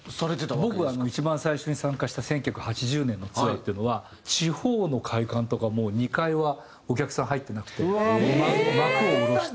僕は一番最初に参加した１９８０年のツアーっていうのは地方の会館とかもう２階はお客さん入ってなくて幕を下ろして。